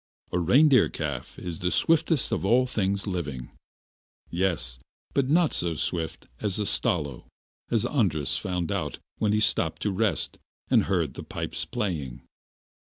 A reindeer calf is the swiftest of all things living. Yes; but not so swift as a Stalo, as Andras found out when he stopped to rest, and heard the pipe playing!